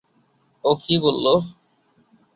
ও কী বলল?